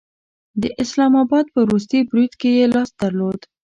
د اسلام آباد په وروستي برید کې یې لاس درلود